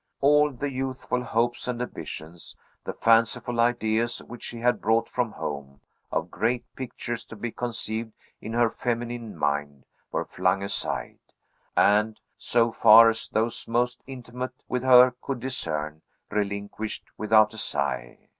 All the youthful hopes and ambitions, the fanciful ideas which she had brought from home, of great pictures to be conceived in her feminine mind, were flung aside, and, so far as those most intimate with her could discern, relinquished without a sigh.